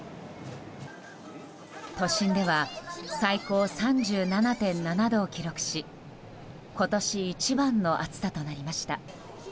都心では最高３７．７度を記録し今年一番の暑さとなりました。